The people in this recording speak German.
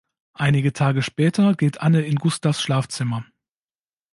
Einige Tage später geht Anne in Gustavs Schlafzimmer.